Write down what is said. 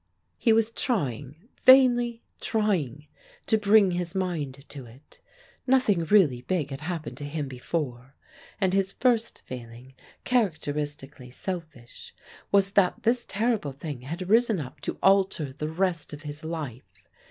He was trying vainly trying to bring his mind to it. Nothing really big had happened to him before: and his first feeling, characteristically selfish, was that this terrible thing had risen up to alter all the rest of his life.